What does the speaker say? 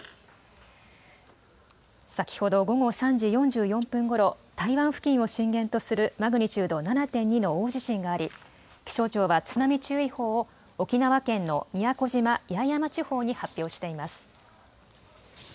先ほど午後３時４４分ごろ、台湾付近を震源とするマグニチュード７．２の大地震があり、気象庁は津波注意報を沖縄県の宮古島・八重山地方に発表しています。